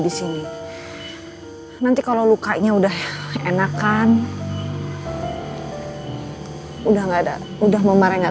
masih ngikutin aja tuh orang